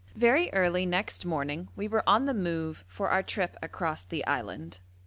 Very early next morning we were on the move for our trip across the island.